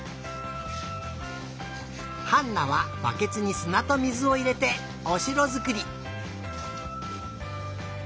ハンナはバケツにすなと水をいれておしろづくり。